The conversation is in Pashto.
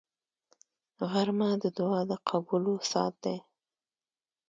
غرمه د دعا د قبولو ساعت دی